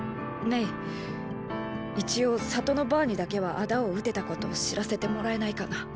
明一応里のバァにだけは仇を討てたことを知らせてもらえないかな。